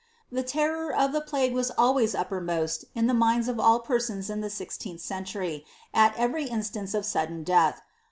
The (error of the plague was always uppermost in the minds of all persons in the sixieenlh century, at every instance of sudden death.